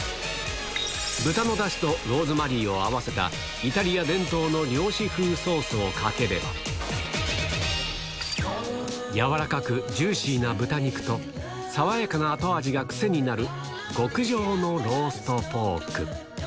豚のだしとローズマリーを合わせたイタリア伝統の漁師風ソースをかければ、やわらかくジューシーな豚肉と、爽やかな後味が癖になる極上のローストポーク。